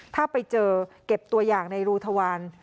ถ้าไปเจอเก็บตัวอย่างในรูทวาร